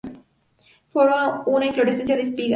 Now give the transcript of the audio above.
Forma una inflorescencia de espiga.